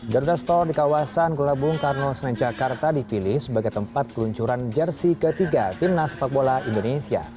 gerda stor di kawasan gelabung karno senencakarta dipilih sebagai tempat peluncuran jersey ketiga timnas sepak bola indonesia